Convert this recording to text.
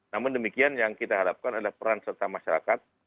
namun demikian yang kita harapkan adalah peran serta masyarakat